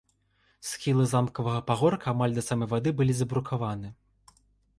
Схілы замкавага пагорка амаль да самай вады былі забрукаваны.